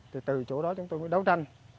thì từ chỗ đó chúng tôi mới đấu tranh